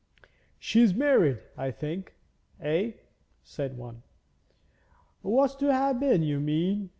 'She's married, I think, eh?' said one. 'Was to have been, you mean.